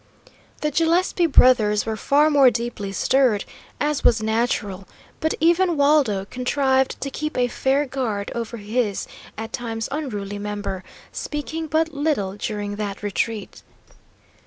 The Gillespie brothers were far more deeply stirred, as was natural, but even Waldo contrived to keep a fair guard over his at times unruly member, speaking but little during that retreat.